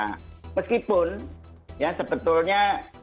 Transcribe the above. nah meskipun ya sebetulnya